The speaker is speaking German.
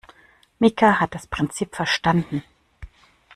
Mika hat das Prinzip verstanden.